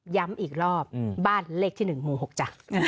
ย้ำอีกรอบบ้านเลขที่๑หมู่๖จ้ะ